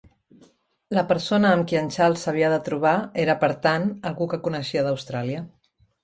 La persona amb qui en Charles s'havia de trobar era, per tant, algú que coneixia d'Austràlia.